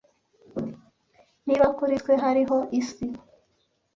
niba kuri twe hariho isi